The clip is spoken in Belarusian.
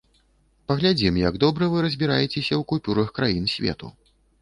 Паглядзім, як добра вы разбіраецеся ў купюрах краін свету.